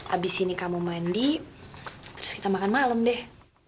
abis ini kamu mandi terus kita makan malam deh